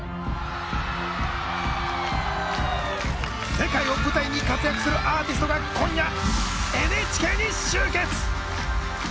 世界を舞台に活躍するアーティストが今夜ＮＨＫに集結！